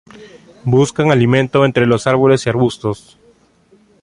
Buscan alimento entre los árboles y arbustos.